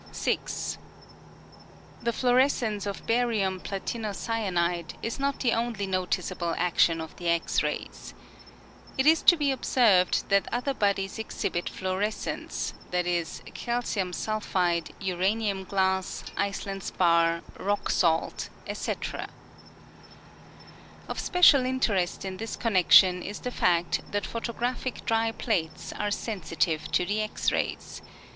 6. The fluorescence of barium platinocy anide is not the only noticeable action of the X rays. It is to be observed that other bodies exhibit fluorescence, e. g. cal cium sulphide, uranium glass, Iceland spar, rock salt, &c. Of special interest in this connection is the fact that photographic dry plates are sensitive to the X rays.